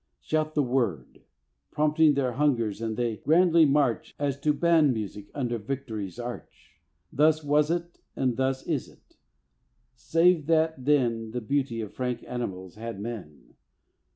Shout the word Prompting their hungers, and they grandly march, As to band music under Victory's arch. Thus was it, and thus is it; save that then The beauty of frank animals had men.